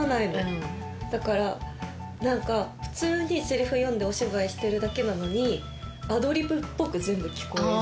だから普通にセリフ読んでお芝居してるだけなのにアドリブっぽく全部聞こえる。